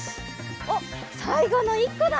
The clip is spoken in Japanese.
おっさいごの１こだ！